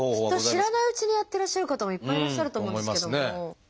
知らないうちにやってらっしゃる方もいっぱいいらっしゃると思うんですけども。